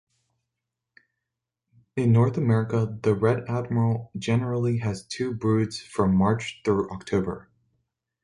In North America, the red admiral generally has two broods from March through October.